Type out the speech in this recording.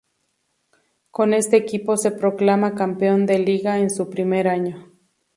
Con este equipo se proclama campeón de Liga en su primer año.